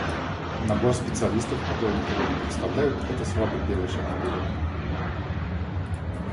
Набор специалистов, которые никого не представляют, — это слабый первый шаг вперед.